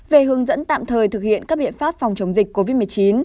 về hướng dẫn tạm thời thực hiện các biện pháp phòng chống dịch covid một mươi chín